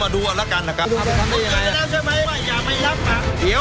โดยโดย